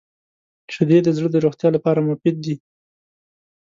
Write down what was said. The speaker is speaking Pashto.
• شیدې د زړه د روغتیا لپاره مفید دي.